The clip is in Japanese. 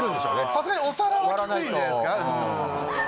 さすがにお皿はキツいんじゃないすか？